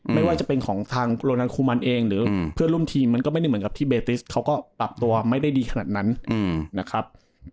ไม่ว่าจะเป็นของทางโรนันคูมันเองหรือเพื่อนร่วมทีมมันก็ไม่ได้เหมือนกับที่เบติสเขาก็ปรับตัวไม่ได้ดีขนาดนั้นนะครับ